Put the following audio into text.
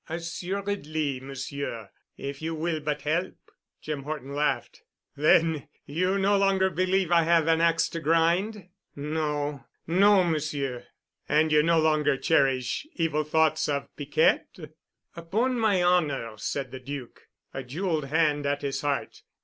"Assuredly, Monsieur—if you will but help." Jim Horton laughed. "Then you no longer believe I have an ax to grind?" "No—no, Monsieur." "And you no longer cherish evil thoughts of Piquette?" "Upon my honor," said the Duc, a jeweled hand at his heart.